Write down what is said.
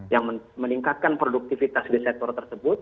yang meningkatkan produktivitas di sektor tersebut